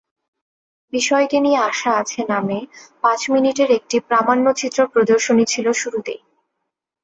বিষয়টি নিয়ে আশা আছে নামে পাঁচ মিনিটের একটি প্রামাণ্যচিত্র প্রদর্শনী ছিল শুরুতেই।